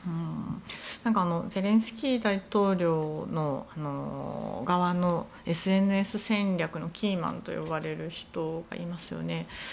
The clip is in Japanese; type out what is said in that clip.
ゼレンスキー大統領の側のＳＮＳ戦略のキーマンといわれる人がいますよね。